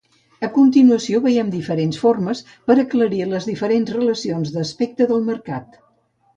A continuació veiem diferents formes, per aclarir les diferents relacions d'aspecte del mercat.